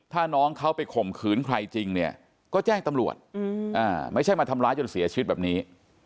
ถ้าน้องเขาไปข่มขืนใครจริงเนี่ยก็แจ้งตำรวจไม่ใช่มาทำร้ายจนเสียชีวิตแบบนี้